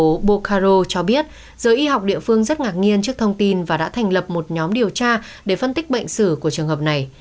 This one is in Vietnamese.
tuyên bố bokaro cho biết giới y học địa phương rất ngạc nhiên trước thông tin và đã thành lập một nhóm điều tra để phân tích bệnh sử của trường hợp này